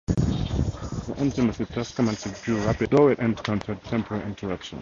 The intimacy thus commenced grew rapidly; though it encountered temporary interruptions.